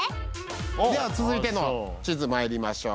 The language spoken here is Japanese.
では続いての地図参りましょう。